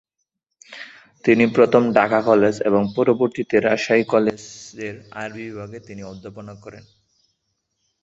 প্রথমে তিনি ঢাকা কলেজ এবং পরবর্তীতে রাজশাহী কলেজের আরবি বিভাগে তিনি অধ্যাপনা করেন।